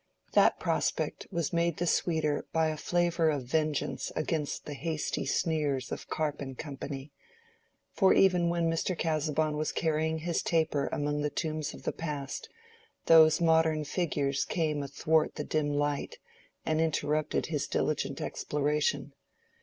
That prospect was made the sweeter by a flavor of vengeance against the hasty sneers of Carp & Company; for even when Mr. Casaubon was carrying his taper among the tombs of the past, those modern figures came athwart the dim light, and interrupted his diligent exploration.